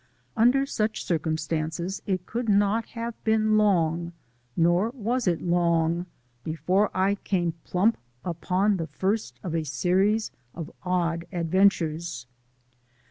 Under such circumstances it could not have been long nor was it long before I came plump upon the first of a series of odd adventures.